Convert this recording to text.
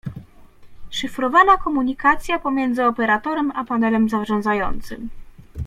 Szyfrowana komunikacja pomiędzy Operatorem a panelem zarządzającym